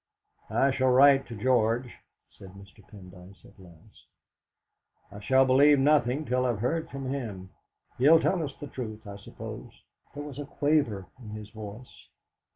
"I shall write to George," said Mr. Pendyce at last. "I shall believe nothing till I've heard from him. He'll tell us the truth, I suppose." There was a quaver in his voice.